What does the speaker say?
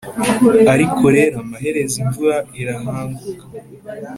ariko rero amaherezo imvura irahanguka